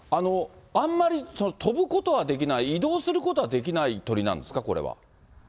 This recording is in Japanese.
あんまり飛ぶことはできない、移動することはできない鳥なんですか、これは。